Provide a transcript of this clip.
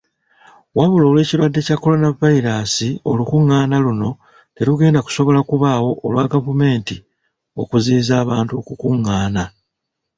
Wabula olw'ekirwadde kya coronavirus, olukungaana luno terugenda kusobola kubaawo olwa gavumenti okuziyiza abantu okukungaana.